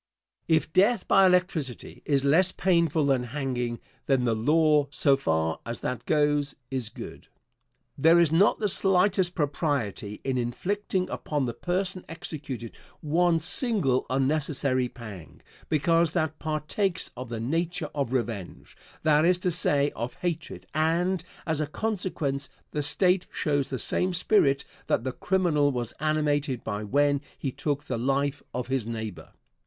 Answer. If death by electricity is less painful than hanging, then the law, so far as that goes, is good. There is not the slightest propriety in inflicting upon the person executed one single unnecessary pang, because that partakes of the nature of revenge that is to say, of hatred and, as a consequence, the State shows the same spirit that the criminal was animated by when he took the life of his neighbor.